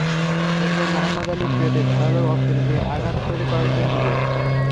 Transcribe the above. এরপর মোহাম্মদ আলীর পেটে ধারালো অস্ত্র দিয়ে আঘাত করে কয়েকজন যুবক।